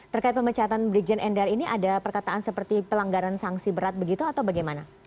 terkait pemecatan brigjen endar ini ada perkataan seperti pelanggaran sanksi berat begitu atau bagaimana